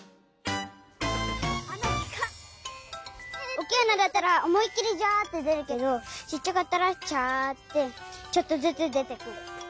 おっきいあなだったらおもいっきりジャってでるけどちっちゃかったらチャってちょっとずつでてくる。